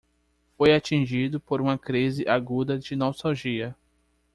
Foi atingido por uma crise aguda de nostalgia